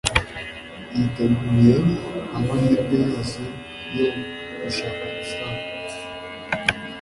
yiteguye amahirwe yose yo gushaka amafaranga